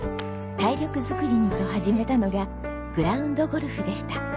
体力作りにと始めたのがグラウンド・ゴルフでした。